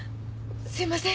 すいません。